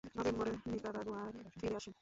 নভেম্বরে নিকারাগুয়ায় ফিরে আসেন।